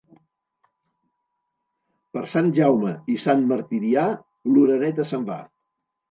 Per Sant Jaume i Sant Martirià, l'oreneta se'n va.